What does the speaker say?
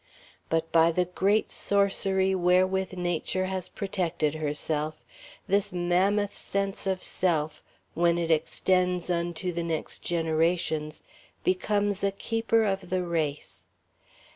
But by the great sorcery wherewith Nature has protected herself, this mammoth sense of self, when it extends unto the next generations, becomes a keeper of the race.